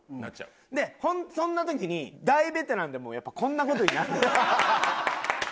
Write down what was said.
でそんな時に大ベテランでもやっぱこんな事になるのよ。